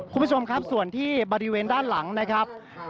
คุณผู้ชมครับส่วนที่บริเวณด้านหลังนะครับ